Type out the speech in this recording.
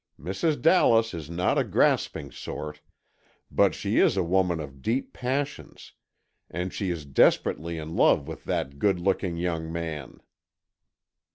Mrs. Dallas is not a grasping sort, but she is a woman of deep passions and she is desperately in love with that good looking young man."